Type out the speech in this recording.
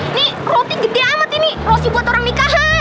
ini roti gede amat ini roti buat orang nikahan